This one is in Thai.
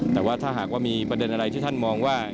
แต่ว่าถ้าหากว่ามีประเด็นอะไรที่ท่านมองว่า